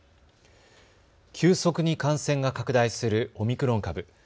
急速に感染が拡大するオミクロン株。